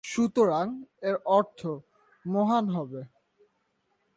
সুতরাং এর অর্থ "মহান" হবে।